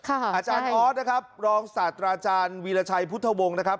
อาจารย์ออสนะครับรองศาสตราอาจารย์วีรชัยพุทธวงศ์นะครับ